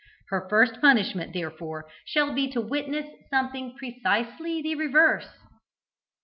Her first punishment, therefore, shall be to witness something precisely the reverse."